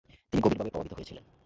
তিনি গভীরভাবে প্রভাবিত হয়েছিলেন।